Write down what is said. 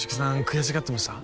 悔しがってました？